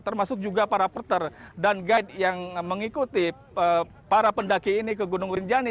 termasuk juga para perter dan guide yang mengikuti para pendaki ini ke gunung rinjani